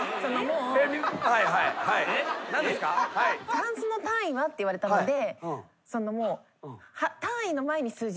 「タンスの単位は？」って言われたので。